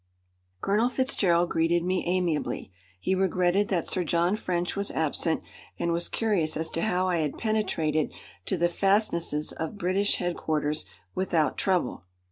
Colonel Fitzgerald greeted me amiably. He regretted that Sir John French was absent, and was curious as to how I had penetrated to the fastnesses of British Headquarters without trouble.